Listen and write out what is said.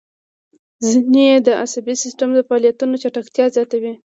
ځینې یې د عصبي سیستم د فعالیتونو چټکتیا زیاتوي.